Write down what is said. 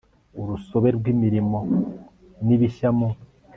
urusobe rw imirimo n ibishya mu